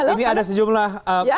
ini ada sejumlah